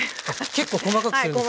結構細かくするんですね。